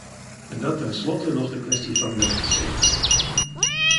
En dan ten slotte nog de kwestie van de rechtszekerheid.